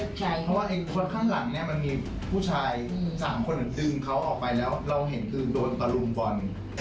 เพราะว่าคนข้างหลังเนี่ยมันมีผู้ชาย๓คนดึงเขาออกไปแล้วเราเห็นคือโดนตะลุมบอล